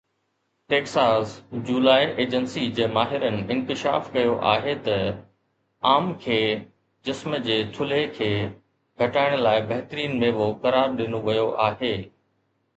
Texas جولاءِ agency جي ماهرن انڪشاف ڪيو آهي ته آم کي جسم جي ٿلهي کي گهٽائڻ لاءِ بهترين ميوو قرار ڏنو ويو آهي